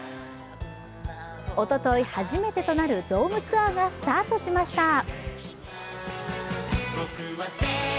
おととい、初めてとなるドームツアーがスタートしました。